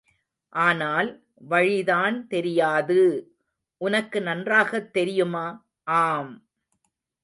ஆனால் வழிதான் தெரியாது! உனக்கு நன்றாகத் தெரியுமா ஆம்!